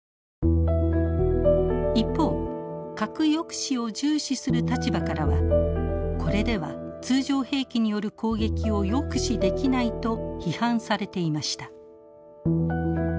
一方核抑止を重視する立場からはこれでは通常兵器による攻撃を抑止できないと批判されていました。